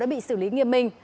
đều đã bị xử lý nghiêm minh